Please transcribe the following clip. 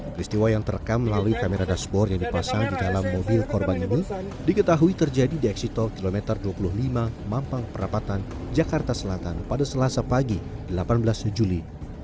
peristiwa yang terekam melalui kamera dashboard yang dipasang di dalam mobil korban ini diketahui terjadi di eksitol kilometer dua puluh lima mampang perapatan jakarta selatan pada selasa pagi delapan belas juli